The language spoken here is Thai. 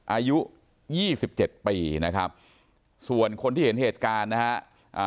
อายุ๒๗ปีนะครับส่วนคนที่เห็นเหตุการณ์นะฮะ